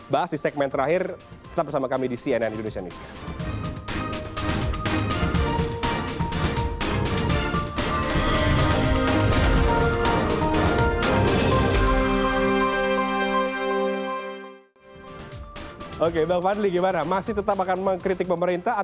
bang fahri sempat cerita